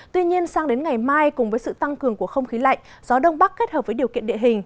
tuy nhiên sang đến ngày mai cùng với sự tăng cường của không khí lạnh gió đông bắc kết hợp với điều kiện địa hình